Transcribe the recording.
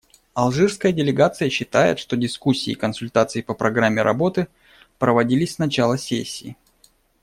Алжирская делегация считает, что дискуссии и консультации по программе работы проводились с начала сессии.